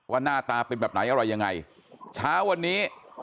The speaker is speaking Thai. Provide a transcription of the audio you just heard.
หน้าตาเป็นแบบไหนอะไรยังไงเช้าวันนี้